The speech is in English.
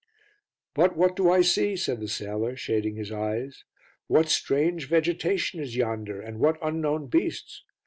"But what do I see?" said the sailor, shading his eyes. "What strange vegetation is yonder and what unknown beasts?